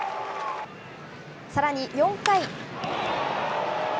さらに４回。